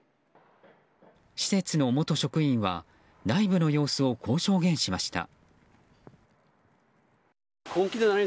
施設の元職員は内部の様子をこう証言しました。